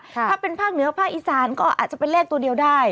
ถ้าเป็นภาคเหนือภาคอีสานก็อาจจะเป็นเลขตัวเดียวได้